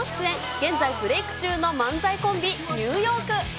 現在ブレーク中の漫才コンビ、ニューヨーク。